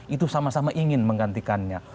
itu sama sama ingin menggantikannya